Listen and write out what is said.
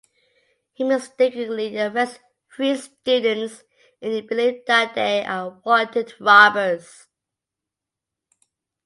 He mistakenly arrests three students in the belief that they are wanted robbers.